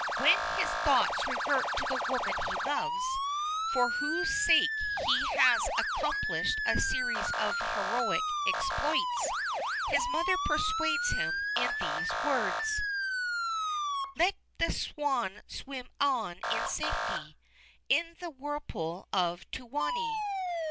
When his thoughts revert to the woman he loves, for whose sake he has accomplished a series of heroic exploits, his mother persuades him in these words: "'Let the swan swim on in safety In the whirlpool of Tuoni.